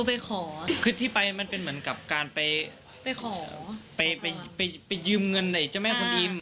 เพราะที่ไปมันเป็นเหมือนการไปยืมเงินช่วยแม่คนอีฟ